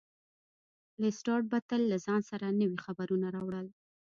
لیسټرډ به تل له ځان سره نوي خبرونه راوړل.